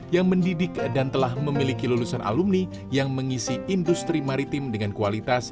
yang mendidik dan telah memiliki lulusan alumni yang mengisi industri maritim dengan kualitas